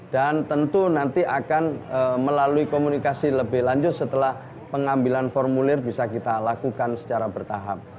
dan tentu nanti akan melalui komunikasi lebih lanjut setelah pengambilan formulir bisa kita lakukan secara bertahap